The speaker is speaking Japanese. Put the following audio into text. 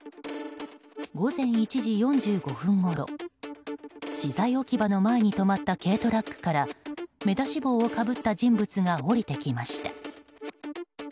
午前１時４５分ごろ資材置き場の前に止まった軽トラックから目出し帽をかぶった人物が降りてきました。